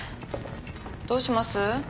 どうします？